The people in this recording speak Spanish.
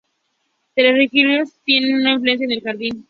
Tres religiones tienen una influencia en el jardín.